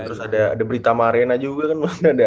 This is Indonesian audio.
terus ada berita marena juga kan